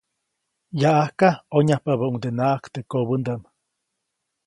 Yaʼajka ʼonyajpabäʼundenaʼajk teʼ kobändaʼm.